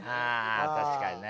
確かにね。